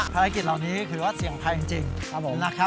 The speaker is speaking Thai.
ภารกิจเหล่านี้คือว่าเสี่ยงพลังจริง